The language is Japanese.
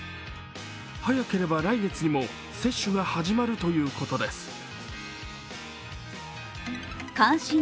早ければ来月にも接種が始まるということです。